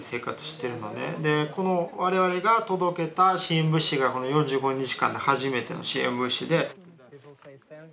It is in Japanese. この我々が届けた支援物資がこの４５日間で初めての支援物資で。